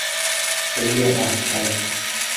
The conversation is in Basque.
Egia da, bai.